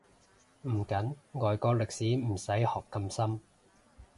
唔緊，外國歷史唔使學咁深